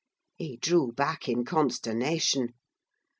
He drew back in consternation.